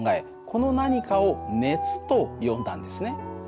この何かを熱と呼んだんですね。